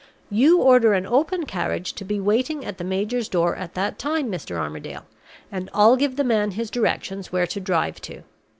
You order an open carriage to be waiting at the major's door at that time, Mr. Armadale, and I'll give the man his directions where to drive to.